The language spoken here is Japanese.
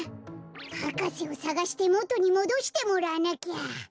博士をさがしてもとにもどしてもらわなきゃ。